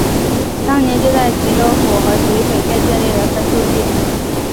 当年就在沂州府和沂水县建立了分驻地。